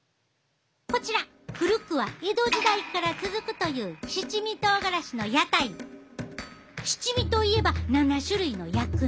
こちら古くは江戸時代から続くという七味といえば７種類の薬味。